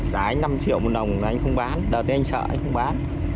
giá anh năm triệu một lồng mà anh không bán đợt anh sợ anh không bán